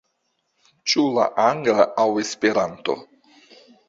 Ĉu la angla aŭ Esperanto?